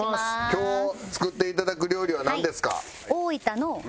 今日作っていただく料理はなんですか？